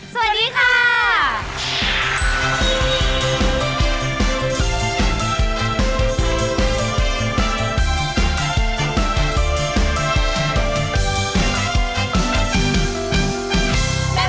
สวัสดีค่ะ